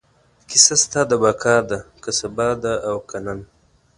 کیسه ستا د بقا ده، که سبا ده او که نن